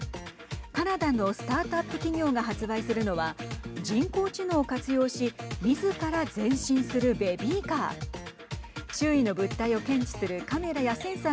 カナダのスタートアップ企業が発売するのは人工知能を活用しみずから前進するベビーカー。